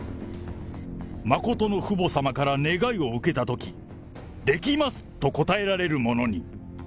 真の父母様から願いを受けたとき、できます！と答えられるものに。